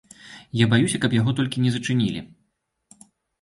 Я баюся, каб яго толькі не зачынілі.